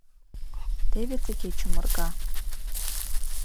- Теве тыге чумырга